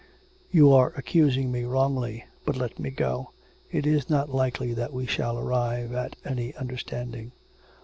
'You are accusing me wrongly.... But let me go. It is not likely that we shall arrive at any understanding.'